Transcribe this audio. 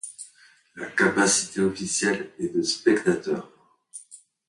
La capacité officielle est de spectateurs.